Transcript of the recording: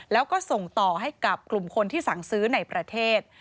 แล้วก็ส่งต่อให้กับกลุ่มคนที่สั่งซื้อในประเทศ